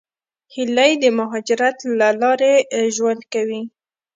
هیلۍ د مهاجرت له لارې ژوند کوي